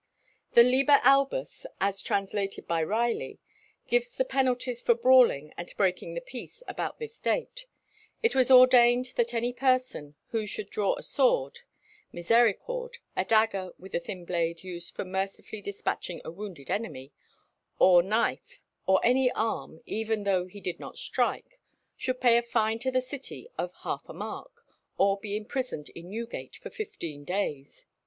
The "Liber Albus," as translated by Riley, gives the penalties for brawling and breaking the peace about this date. It was ordained that any person who should draw a sword, misericorde (a dagger with a thin blade used for mercifully despatching a wounded enemy), or knife, or any arm, even though he did not strike, should pay a fine to the city of half a mark, or be imprisoned in Newgate for fifteen days.